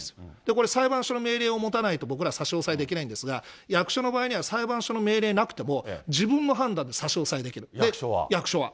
これ、裁判所の命令を持たないと、僕ら差し押さえできないんですが、役所の場合には、裁判所の命令なくても、自分の判断で差し押さえできる、役所は。